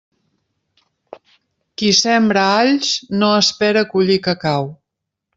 Qui sembra alls, no espere collir cacau.